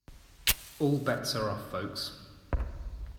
All bets are off folks.